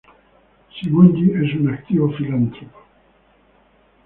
Simonyi es un activo filántropo.